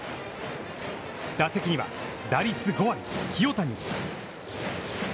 打席には打率５割、清谷。